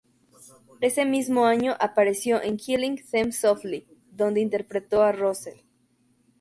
Ese mismo año apareció en "Killing Them Softly", donde interpretó a Russell.